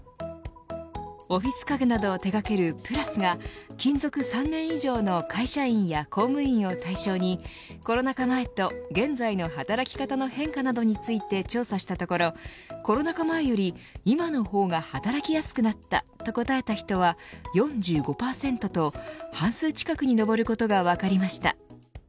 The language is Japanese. オフィス家具などを手掛けるプラスが勤続３年以上の会社員や公務員を対象にコロナ禍前と現在の働き方の変化などについて調査したところコロナ禍前より今の方が働きやすくなったと答えた人は４５％と半数近くに上ることが分かりました。